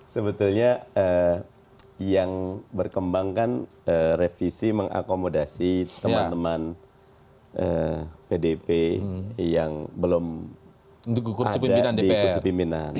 sebetulnya yang berkembang kan revisi mengakomodasi teman teman pdp yang belum ada di kursi pimpinan